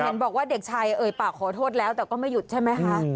เห็นบอกว่าเด็กชายเอ่ยปากขอโทษแล้วแต่ก็ไม่หยุดใช่ไหมคะ